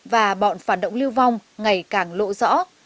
và bọn phản động lưu vong ngày càng lộ rõ